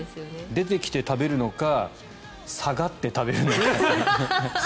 出てきて食べるのか下がって食べるのか。